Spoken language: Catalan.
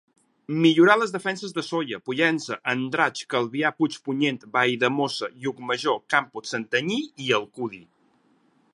Millorà les defenses de Sóller, Pollença, Andratx, Calvià, Puigpunyent, Valldemossa, Llucmajor, Campos, Santanyí i Alcúdia.